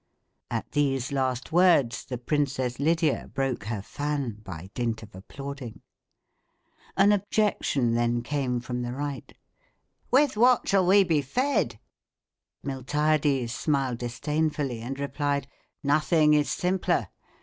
At these last words, the Princess Lydia broke her fan, by dint of applauding. An objection then came from the right, "With what shall we be fed?" Miltiades smiled disdainfully and replied: "Nothing is simpler.